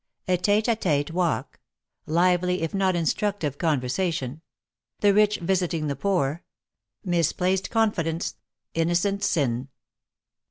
A TETE A TETE WALK LIVELY IF NOT INSTRUCTIVE CONVERSATION THE RICH VISITING THE POOR MISPLACED CONFIDENCE INNO CENT SIN.